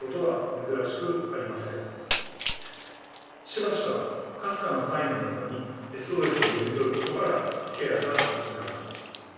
しばしばかすかなサインの中にＳＯＳを読み取ることからケアが始まります。